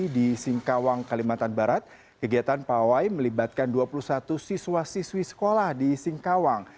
di singkawang kalimantan barat kegiatan pawai melibatkan dua puluh satu siswa siswi sekolah di singkawang